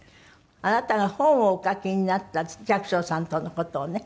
あなたが本をお書きになった寂聴さんとの事をね。